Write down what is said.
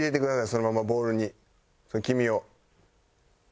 そのままボウルに黄身を。